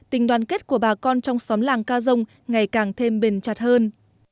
tình đoàn kết của bà con trong xóm làng ca dông ngày càng thêm bền chặt hơn